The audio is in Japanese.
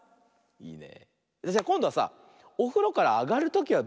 いいね。